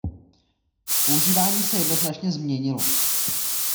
Používání se jednoznačně změnilo.